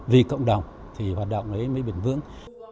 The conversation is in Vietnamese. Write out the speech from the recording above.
vì cộng đồng thì hoạt động mới bền vững